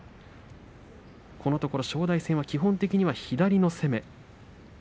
このところ正代戦は基本的には左からの攻め。